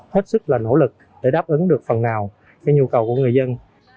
hết sức là nỗ lực để đáp ứng được phần nào nhu cầu của người dân